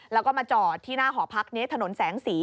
แล้วก็มาจอดที่หน้าหอพักนี้ถนนแสงสี